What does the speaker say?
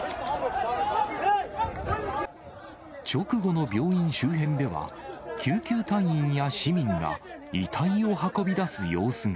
直後の病院周辺では、救急隊員や市民が遺体を運び出す様子が。